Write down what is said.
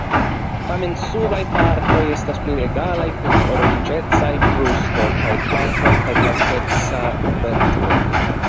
Tamen subaj partoj estas pli egalaj kun oranĝecaj brusto kaj flankoj kaj blankeca ventro.